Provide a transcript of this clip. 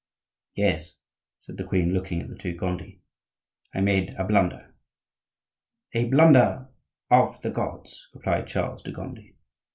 "Yes," said the queen, looking at the two Gondi, "I made a blunder." "A blunder of the gods," replied Charles de Gondi.